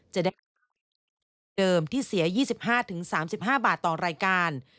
จะได้ค่าธรรมเดิมที่เสีย๒๕๓๕บาทต่อรายการ